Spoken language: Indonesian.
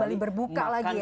kembali berbuka lagi ya